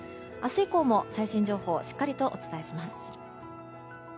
以降も最新情報をしっかりとお伝えします。